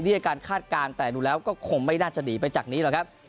อาการคาดการณ์แต่ดูแล้วก็คงไม่น่าจะหนีไปจากนี้หรอกครับ